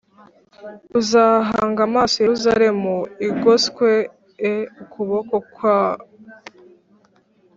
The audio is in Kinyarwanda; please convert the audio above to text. Uzahanga amaso Yerusalemu igoswe e ukuboko kwawe